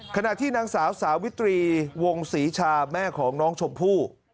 ขณะที่นางสาวสาวิตรีวงศรีชาแม่ของน้องชมพู่